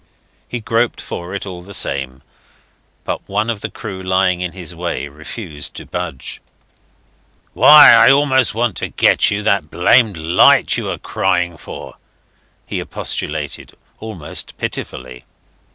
He groped for it all the same, but one of the crew lying in his way refused to budge. "Why, I only want to get you that blamed light you are crying for," he expostulated, almost pitifully.